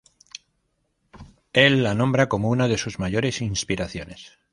Él la nombra como una de sus mayores inspiraciones.